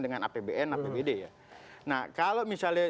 dengan apbn apbd ya nah kalau misalnya